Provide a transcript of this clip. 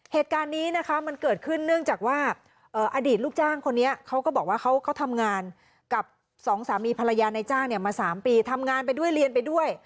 เหตุการณ์นี้นะคะมันเกิดขึ้นเนื่องจากว่าอดีตลูกจ้างคนนี้เขาก็บอกว่าเขาทำงานกับสองสามีภรรยาในจ้างเนี่ยมา๓ปีทำงานไปด้วยเรียนไปด้วย